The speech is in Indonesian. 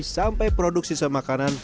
sampai produk sisa makanan